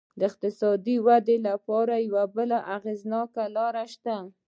د اقتصادي ودې لپاره یوه بله اغېزناکه لار شته.